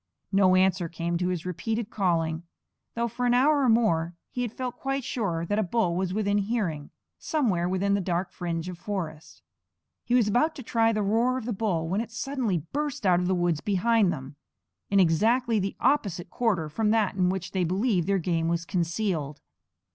No answer came to his repeated calling, though for an hour or more he had felt quite sure that a bull was within hearing, somewhere within the dark fringe of forest. He was about to try the roar of the bull, when it suddenly burst out of the woods behind them, in exactly the opposite quarter from that in which they believed their game was concealed.